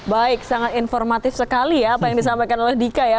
baik sangat informatif sekali ya apa yang disampaikan oleh dika ya